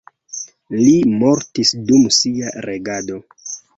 Li mortis dum sia regado.